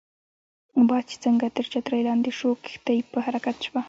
باد چې څنګه تر چترۍ لاندې شو، کښتۍ په حرکت شوه.